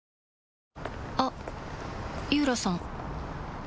あっ井浦さん